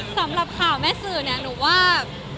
สำหรับข่าวแม่สื่อเนี่ยหนูว่า